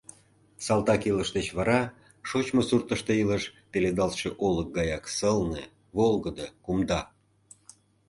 Салтак илыш деч вара шочмо суртышто илыш пеледалтше олык гаяк сылне, волгыдо, кумда.